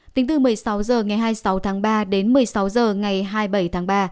tính từ một mươi sáu h ngày hai mươi sáu tháng ba đến một mươi sáu h ngày hai mươi bảy tháng ba